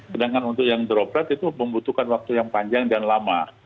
sedangkan untuk yang droplet itu membutuhkan waktu yang panjang dan lama